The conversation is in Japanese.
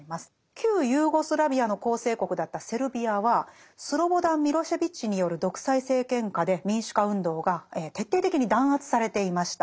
旧ユーゴスラビアの構成国だったセルビアはスロボダン・ミロシェヴィッチによる独裁政権下で民主化運動が徹底的に弾圧されていました。